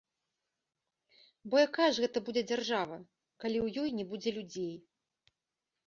Бо якая ж гэта будзе дзяржава, калі ў ёй не будзе людзей?!